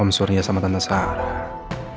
om surya sama tanah sarah